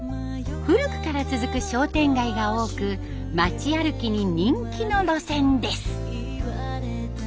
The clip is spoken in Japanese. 古くから続く商店街が多く町歩きに人気の路線です。